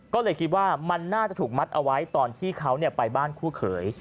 ก็เลยคิดว่ามันน่าจะถูกมัดเอาไว้ตอนที่เขาไปบ้านคู่เขย